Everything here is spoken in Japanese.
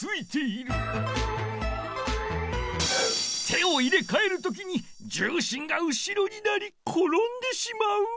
手を入れかえるときに重心が後ろになりころんでしまう。